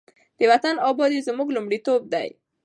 د وطن ابادي زموږ لومړیتوب دی.